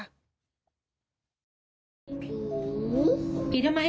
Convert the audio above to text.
ผีผีทำไม